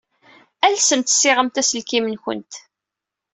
Alsemt ssiɣemt aselkim-nwent.